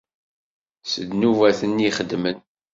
S ddnubat-nni i xeddmen.